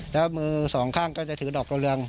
แล้วมือสองข้างก็จะถือดอกดาวเรือง